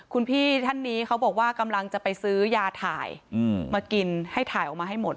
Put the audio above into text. คุณพี่ท่านนี้เขาบอกว่ากำลังจะไปซื้อยาถ่ายมากินให้ถ่ายออกมาให้หมด